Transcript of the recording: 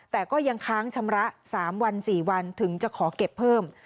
แต่ก็ยังค้างชำระ๓วัน๔วันถึงจะขอเก็บเพิ่ม